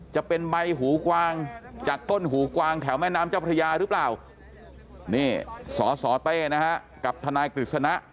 จะเป็นใบหูกวางจากต้นหูกวางแถวแม่น้ำเจ้าพระยาหรือเปล่านี่สสเต้นะฮะกับทนายกฤษณะ